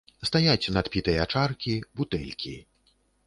Стаяць надпітыя чаркі, бутэлькі.